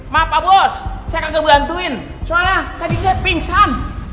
maaf pak bos saya kagak berantuin karena tadi saya bingung